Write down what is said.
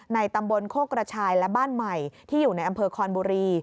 ตำบลโคกระชายและบ้านใหม่ที่อยู่ในอำเภอคอนบุรี